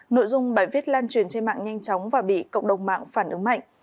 nội dung bài viết lan truyền trên mạng nhanh chóng và bị cộng đồng mạng phản ứng mạnh